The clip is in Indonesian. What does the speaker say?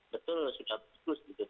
betul sudah terus gitu